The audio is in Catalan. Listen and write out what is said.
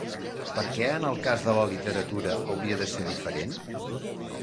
Per què en el cas de la literatura hauria de ser diferent?